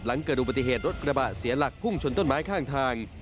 หลังเกิดอุบัติเหตุรถกระบะเสียหลักพุ่งชนต้นไม้ข้างทาง